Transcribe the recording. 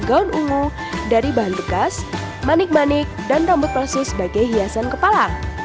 gaun ungu dari bahan bekas manik manik dan rambut palsu sebagai hiasan kepala